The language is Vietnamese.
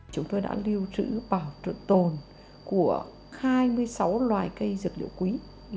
chúng tôi đã lưu trữ bảo trợ tồn của hai mươi sáu loài cây dược liệu quý